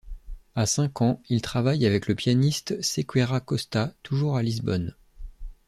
À cinq ans, il travaille avec le pianiste Sequeira Costa, toujours à Lisbonne.